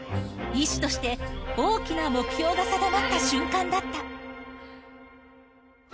医師として大きな目標が定まった瞬間だった。